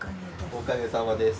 おかげさまです。